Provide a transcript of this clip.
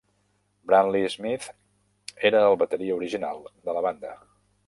Brantley Smith era el bateria original de la banda.